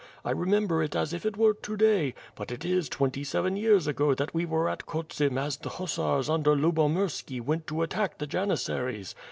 I remember it as if it were to day, but it is twenty seven years ago that we were at Khotsim as the hussars under Lubomirski went to attack the janissaries.